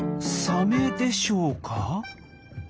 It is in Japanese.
サメでしょうか？